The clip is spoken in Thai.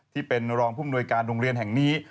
ที่เป็นรองภูมิหน่วยการโรงเรียนแห่งนี้